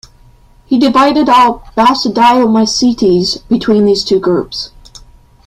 He divided all basidiomycetes between these two groups.